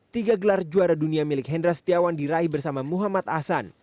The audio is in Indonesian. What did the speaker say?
tiga gelar juara dunia milik hendra setiawan diraih bersama muhammad ahsan